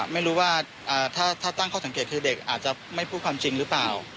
ไม่รู้ว่าถ้าตั้งข้อสังเกตคือเด็กอาจจะไม่พูดความจริงหรือเปล่า